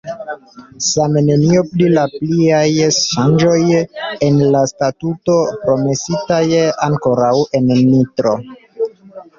Same nenio pri la pliaj ŝanĝoj en la Statuto, promesitaj ankoraŭ en Nitro.